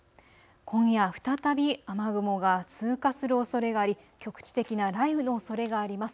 今夜、再び雨雲が通過するおそれがあり、局地的な雷雨のおそれがあります。